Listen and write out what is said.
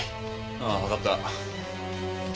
ああわかった。